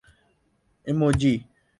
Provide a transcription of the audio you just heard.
emoji